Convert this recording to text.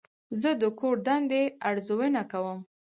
زه د کور دندې ارزونه کوم.